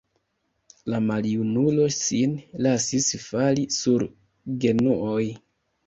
La maljunulo sin lasis fali sur genuoj.